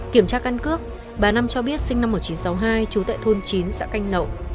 kiểm tra căn cước bà năm cho biết sinh năm một nghìn chín trăm sáu mươi hai trú tại thôn chín xã canh nậu